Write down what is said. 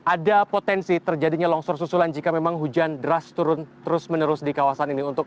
ada potensi terjadinya longsor susulan jika memang hujan deras turun terus menerus di kawasan ini